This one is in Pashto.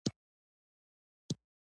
خپلو بنده ګانو ته اخلاقي تعالي توصیه کوي.